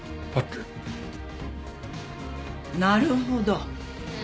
なるほど。